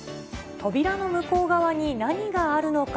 扉の向こう側に何があるのか。